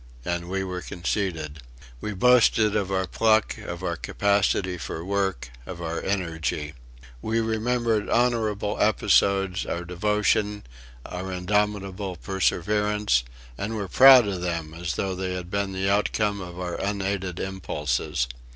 And we were conceited! We boasted of our pluck, of our capacity for work, of our energy. We remembered honourable episodes: our devotion, our indomitable perseverance and were proud of them as though they had been the outcome of our unaided impulses.